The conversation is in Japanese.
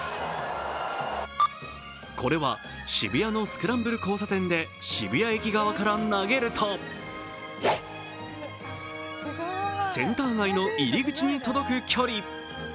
これは渋谷のスクランブル交差点で渋谷駅側から投げるとセンター街の入り口に届く距離。